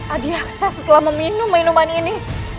adi akses setelah meminum minuman ini